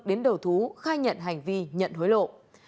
đến đầu thú khai nhận hành vi nhận hối lộ